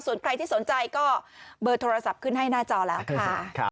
ส่วนใครที่สนใจก็เบอร์โทรศัพท์ขึ้นให้หน้าจอแล้วค่ะ